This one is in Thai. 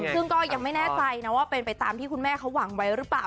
ซึ่งก็ยังไม่แน่ใจนะว่าเป็นไปตามที่คุณแม่เขาหวังไว้หรือเปล่า